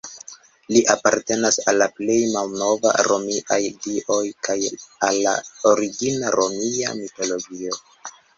Li apartenas al la plej malnovaj romiaj dioj kaj al la origina romia mitologio.